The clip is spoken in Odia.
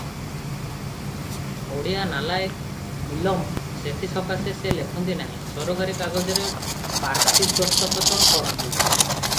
ଓଡ଼ିଆ ନାଲାଏକ୍ ଇଲମ, ସେଥିସକାଶେ ସେ ଲେଖନ୍ତି ନାହିଁ, ସରକାରୀ କାଗଜରେ ପାର୍ଶି ଦସ୍ତଖତ କରନ୍ତି ।